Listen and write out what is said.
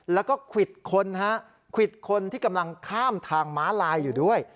แล้วก็ควิดคนฮะควิดคนที่กำลังข้ามทางม้าลายอยู่ด้วย